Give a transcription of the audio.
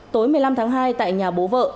tối một mươi năm tháng hai tại nhà bố vợ